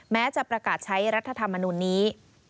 แม้จะประกาศใช้รัฐธรรมนูลนี้